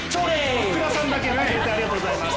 福田さんだけ、ありがとうございます。